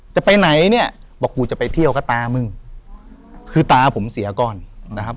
จะไปไหนเนี่ยบอกกูจะไปเที่ยวก็ตามึงคือตาผมเสียก่อนนะครับ